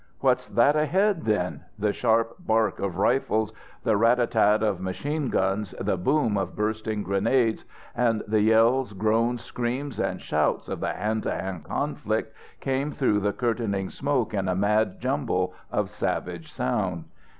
"What's that ahead, then?" The sharp bark of rifles, the rat a tat of machine guns, the boom of bursting grenades, and the yells, groans, screams and shouts of the hand to hand conflict came through the curtaining smoke in a mad jumble of savage sound.